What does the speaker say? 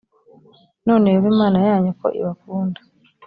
none yehova imana yanyu ko ibakunda